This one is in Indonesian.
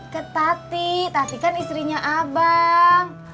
ke tati tati kan istrinya abang